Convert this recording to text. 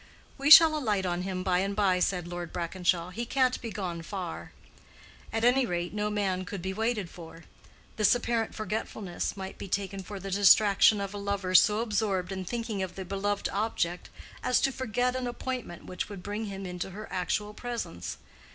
"We shall alight on him by and by," said Lord Brackenshaw; "he can't be gone far." At any rate, no man could be waited for. This apparent forgetfulness might be taken for the distraction of a lover so absorbed in thinking of the beloved object as to forget an appointment which would bring him into her actual presence.